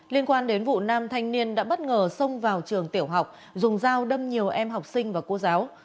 liên quan đến vụ nam thanh niên đã bất ngờ xông vào trường tiểu học dùng dao đâm nhiều em học sinh và cô giáo